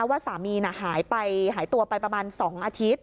ว่าสามีหายตัวไปประมาณ๒อาทิตย์